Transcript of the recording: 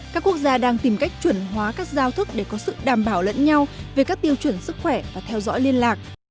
các quốc gia đang tìm cách chuẩn hóa các giao thức để có sự đảm bảo lẫn nhau về các tiêu chuẩn sức khỏe và theo dõi liên lạc